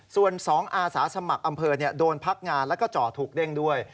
ส่วน๒อาสาสมัครอำเภอโดนพักงานแล้วก็จ่อถูกเด้งด้วย